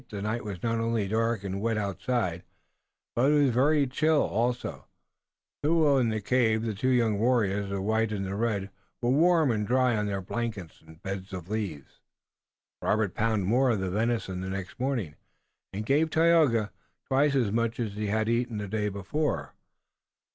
The night was not only dark and wet outside, but it was very chill also, though in the cave the two young warriors, the white and the red, were warm and dry on their blankets and beds of leaves. Robert pounded more of the venison the next morning and gave Tayoga twice as much as he had eaten the day before.